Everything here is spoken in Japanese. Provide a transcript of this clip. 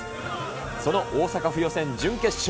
その大阪府予選準決勝。